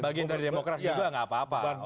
bagian dari demokrasi juga nggak apa apa